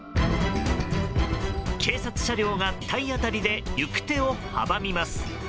警察車両が体当たりで行く手を阻みます。